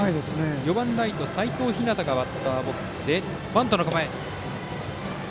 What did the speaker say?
４番ライト、齋藤陽がバッターボックスでバントの構えを見せました。